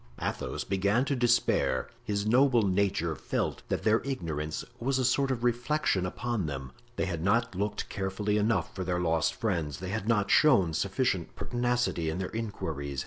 Athos began to despair. His noble nature felt that their ignorance was a sort of reflection upon them. They had not looked carefully enough for their lost friends. They had not shown sufficient pertinacity in their inquiries.